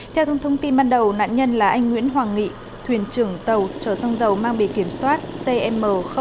theo thông tin ban đầu nạn nhân là anh nguyễn hoàng nghị thuyền trưởng tàu chở xăng dầu mang bề kiểm soát cm năm mươi ba